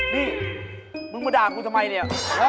นี่มึงมาด่ากูทำไมเนี่ย